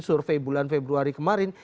survei bulan februari kemarin